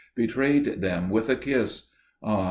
betrayed them with a kiss.... Ah!